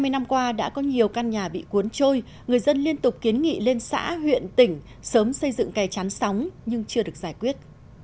hai mươi năm qua đã có nhiều căn nhà bị cuốn trôi người dân liên tục kiến nghị lên xã huyện tỉnh sớm xây dựng kè chắn sóng nhưng chưa được giải quyết